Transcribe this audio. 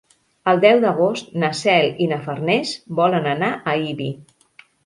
El deu d'agost na Cel i na Farners volen anar a Ibi.